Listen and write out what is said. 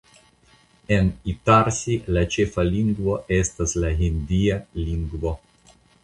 En Itarsi la ĉefa lingvo estas la hindia lingvo.